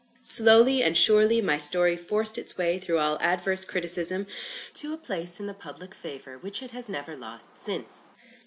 Slowly and surely, my story forced its way through all adverse criticism, to a place in the public favour which it has never lost since.